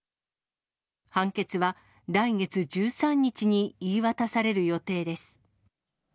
判決は来月１３日に言い渡される予定です。